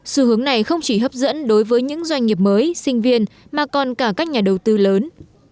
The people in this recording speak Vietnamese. sự hướng này không chỉ hấp dẫn đối với những doanh nghiệp mới sinh viên mà còn cả các nhà đầu tư lớn